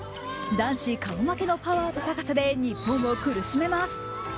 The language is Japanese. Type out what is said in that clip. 男子顔負けのパワーと高さで日本を苦しめます。